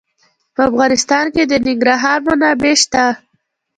په افغانستان کې د ننګرهار منابع شته.